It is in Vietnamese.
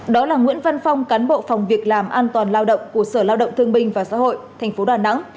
đó là nguyễn văn phong cán bộ phòng việc làm an toàn lao động của sở lao động thương binh và xã hội tp đà nẵng